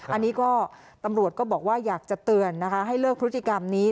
อันนี้ก็ตำรวจก็บอกว่าอยากจะเตือนนะคะให้เลิกพฤติกรรมนี้